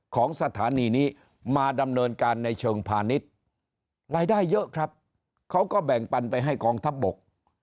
ของสถานีนี้มาดำเนินการในเชิงพาณิชย์รายได้เยอะครับเขาก็แบ่งปันไปให้กองทัพบก